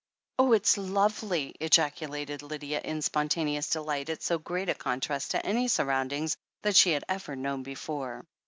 "Oh, it's lovely!" ejaculated Lydia in spontaneous delight at so great a contrast to any surrotmdings that she had ever known before.